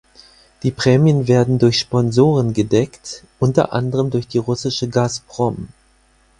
Die Prämien werden durch Sponsoren gedeckt, unter anderem durch die russische Gazprom.